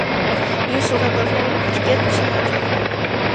Մյուս ուղևորներին փրկել չի հաջողվել։